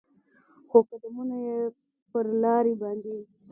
خو قدمونو یې پر لارې باندې